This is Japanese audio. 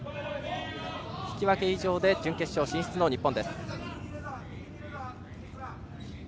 引き分け以上で準決勝進出の日本。